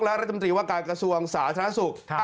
และรัฐมนตรีว่าการกระทรวงสาธารณสุข